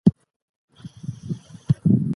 هغه هره ورځ کار کوي.